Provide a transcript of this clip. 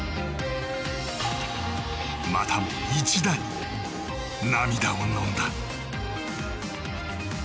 またも１打に涙をのんだ。